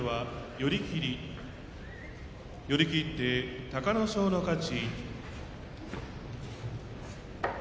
寄り切って隆の勝の勝ち。